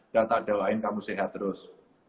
dan tak doain kamu sehat terus